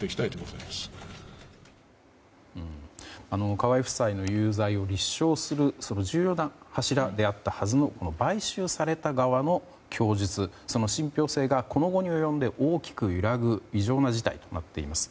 河井夫妻の有罪を立証するその重要な柱であったはずの買収された側の供述その信憑性がこの期に及んで大きく揺らぐ異常な事態となっています。